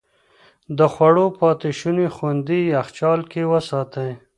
د خوړو پاتې شوني خوندي يخچال کې وساتئ.